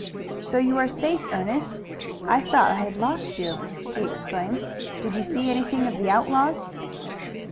"So you are safe, Ernest? I thought I had lost you," he exclaimed. "Did you see anything of the outlaws?"